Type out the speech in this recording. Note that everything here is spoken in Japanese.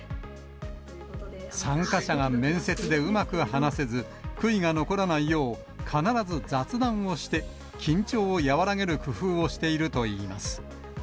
参加者が面接でうまく話せず、悔いが残らないよう、必ず雑談をして、緊張を和らげる工夫をしているといいます。